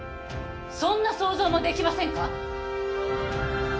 そんな想像もできませんか？